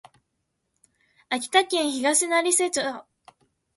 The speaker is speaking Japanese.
秋田県東成瀬村